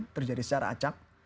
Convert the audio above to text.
terjadi secara acak